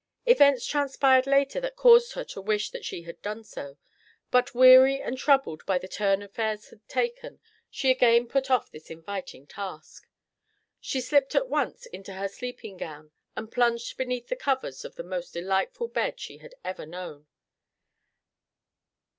Events transpired later that caused her to wish that she had done so. But weary and troubled by the turn affairs had taken, she again put off this inviting task. She slipped at once into her sleeping gown and plunged beneath the covers of the most delightful bed she had ever known.